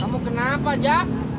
kamu kenapa jak